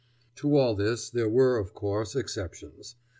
To all this there were of course exceptions.